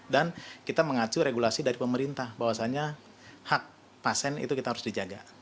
kita mengacu regulasi dari pemerintah bahwasannya hak pasien itu kita harus dijaga